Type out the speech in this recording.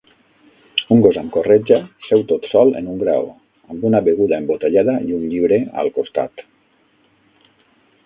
Un gos amb corretja seu tot sol en un graó amb una beguda embotellada i un llibre al costat.